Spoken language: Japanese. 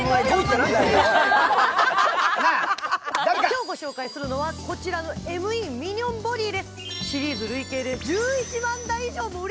今日ご紹介するのは、こちらのＭＥミニョンボディです。